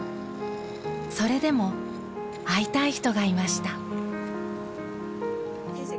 それでも会いたい人がいました。